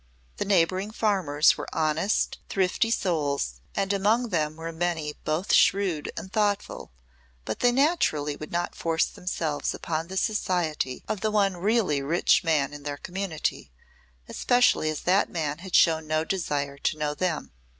The neighboring farmers were honest, thrifty souls, and among them were many both shrewd and thoughtful; but they naturally would not force themselves upon the society of the one really rich man in their community, especially as that man had shown no desire to know them.